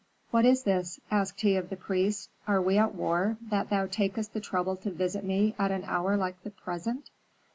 "What is this?" asked he of the priest. "Are we at war, that thou takest the trouble to visit me at an hour like the present?"